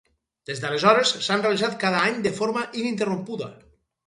Des d'aleshores, s'han realitzat cada any de forma ininterrompuda.